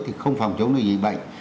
thì không phòng chống được gì bệnh